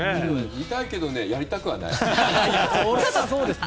見たいけどやりたくはない。